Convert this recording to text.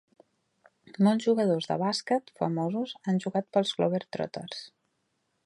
Molts jugadors de bàsquet famosos han jugat pels Globetrotters.